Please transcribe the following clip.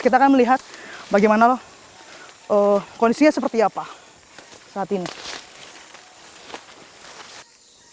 kita akan melihat bagaimana kondisinya seperti apa saat ini